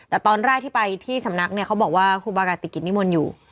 แต่ตอนแรกที่ไปที่สำนักเนี่ยเขาบอกว่าครูบากาติกิจนิมนต์อยู่